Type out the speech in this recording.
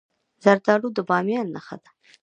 زردالو د بامیان نښه ده.